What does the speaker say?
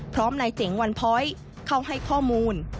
พร้อมนายเจ๋งวันพ้อยเข้าให้ข้อมูล